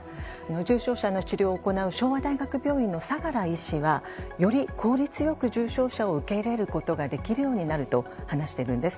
重症者の治療を行う昭和大学病院の相良医師は、より効率よく重症者を受け入れることができるようになると話しているんです。